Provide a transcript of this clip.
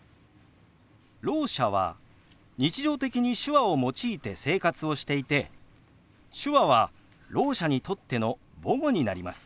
ろう者は日常的に手話を用いて生活をしていて手話はろう者にとっての母語になります。